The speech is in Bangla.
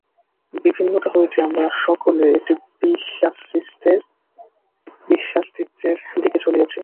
বিভিন্নতা হইতে আমরা সকলে একটি বিশ্বাস্তিত্বের দিকে চলিয়াছি।